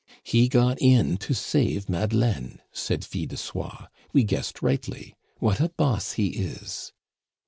"He got in to save Madeleine," said Fil de Soie. "We guessed rightly. What a boss he is!"